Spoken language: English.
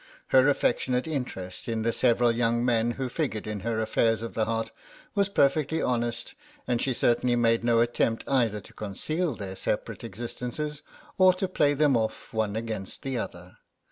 Her affectionate interest in the several young men who figured in her affairs of the heart was perfectly honest, and she certainly made no attempt either to conceal their separate existences, or to play them off one against the other.